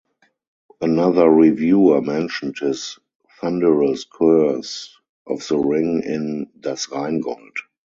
Another reviewer mentioned his thunderous curse of the ring in "Das Rheingold".